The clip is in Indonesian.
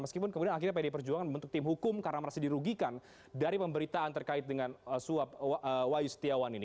meskipun kemudian akhirnya pdi perjuangan membentuk tim hukum karena merasa dirugikan dari pemberitaan terkait dengan suap wayu setiawan ini